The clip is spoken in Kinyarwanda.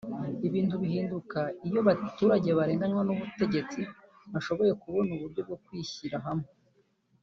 Ibintu bihinduka iyo abaturage barenganywa n’ubutegetsi bashoboye kubona uburyo bwo kwishyira hamwe